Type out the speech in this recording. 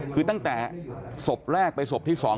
คือตั้งแต่ศพแรกไปศพที่๒